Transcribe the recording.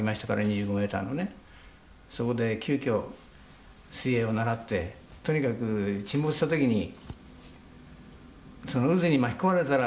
そこで急きょ水泳を習ってとにかく沈没した時にその渦に巻き込まれたら助かんないから。